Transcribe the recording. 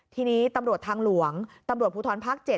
ทีนี้ตำรวจทางหลวงตำรวจภูทรภาค๗